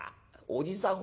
おじさん